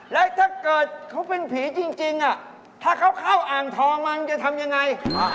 แล้วถ้าเกิดเขาเป็นผีจริงถ้าเขาเข้าอ่างทองมันจะทำยังไง